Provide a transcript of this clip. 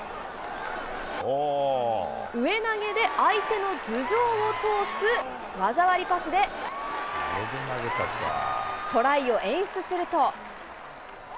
上投げで相手の頭上を通す技ありパスで、トライを演出すると。